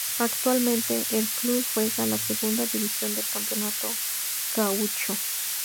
Actualmente, el club juega la segunda división del Campeonato Gaúcho.